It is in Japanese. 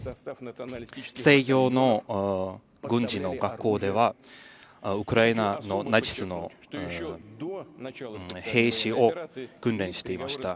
西洋の軍事の学校ではウクライナのナチスの兵士を訓練していました。